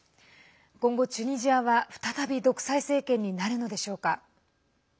今後、チュニジアは再び独裁政権になるのでしょうか。